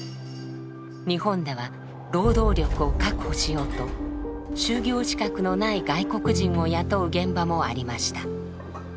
日本では労働力を確保しようと就業資格のない外国人を雇う現場もありました。